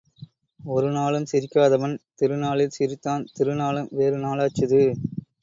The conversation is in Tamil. ஒரு நாளும் சிரிக்காதவன் திருநாளில் சிரித்தான், திருநாளும் வேறு நாளாச்சுது.